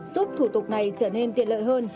giúp thủ tục này trở nên tiện lợi hơn